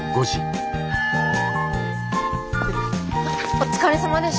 お疲れさまでした。